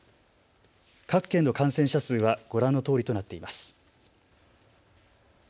各県の感染者数はご覧のとおりとなっています。